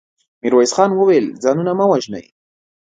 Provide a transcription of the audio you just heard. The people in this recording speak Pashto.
ميرويس خان وويل: ځانونه مه وژنئ.